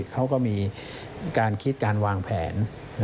เขาก็มีการคิดการวางแผน